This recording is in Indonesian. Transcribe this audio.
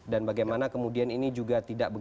dan bagaimana kemudian ini juga tidak bisa